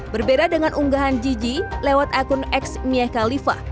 berbeda dengan unggahan gigi lewat akun ex miyah khalifa